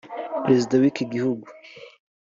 Perezida w’iki gihugu